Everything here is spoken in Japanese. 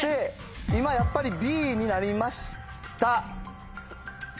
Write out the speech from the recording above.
今やっぱりＢになりました。